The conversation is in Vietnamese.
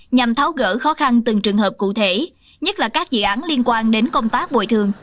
nhằm tháo gỡ khó khăn từng trường hợp cụ thể nhất là các dự án liên quan đến công tác bồi thường